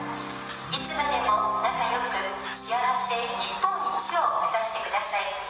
いつまでも仲よく、幸せ日本一を目指してください。